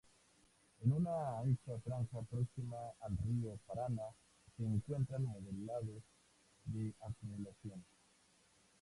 En una ancha franja próxima al río Paraná se encuentran modelados de acumulación.